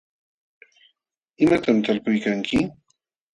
¿imatam talpuykanki?